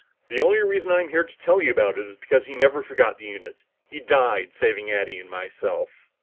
The only reason I'm here to tell you about it is because he never forgot the unit. He died saving Addy and myself."